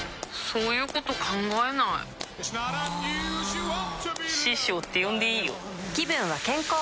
そういうこと考えないあ師匠って呼んでいいよぷ